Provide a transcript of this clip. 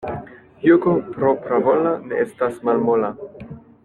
Jugo propravola ne estas malmola.